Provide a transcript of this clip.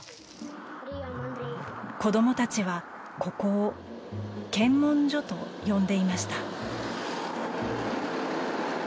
子供たちはここを検問所と呼んでいました。